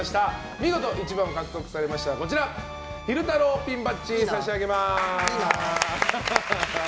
見事１番を獲得されましたら昼太郎ピンバッジ差し上げます。